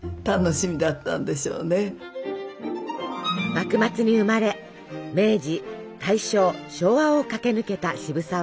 幕末に生まれ明治大正昭和を駆け抜けた渋沢栄一。